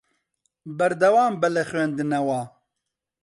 بەردەوام بە لە خوێندنەوە.